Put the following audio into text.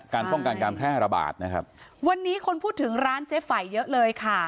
ป้องกันการแพร่ระบาดนะครับวันนี้คนพูดถึงร้านเจ๊ไฝเยอะเลยค่ะ